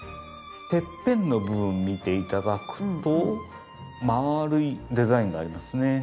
てっぺんの部分見て頂くと丸いデザインがありますね。